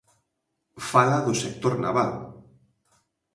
Fala do sector naval.